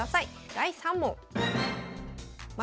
第３問。